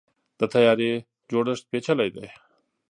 د طیارې جوړښت پیچلی دی.